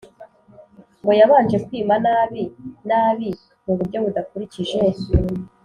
ngo yabanje kwima nabi nabi mu buryo budakurikije